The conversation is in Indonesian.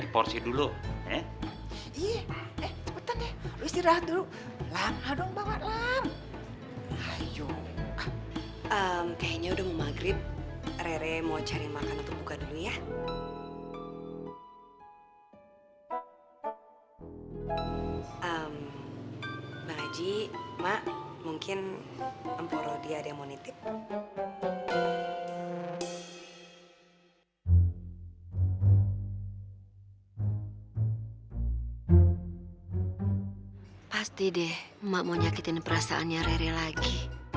pasti deh emang menyakitin perasaannya rere lagi